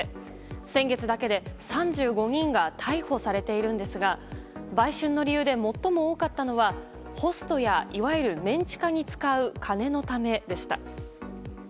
先月だけで３５人が逮捕されているんですが売春の理由で最も多かったのはホストやいわゆるメン地下に使う金のためでした。